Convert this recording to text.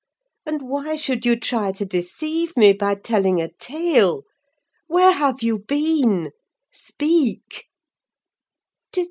And why should you try to deceive me by telling a tale? Where have you been? Speak!"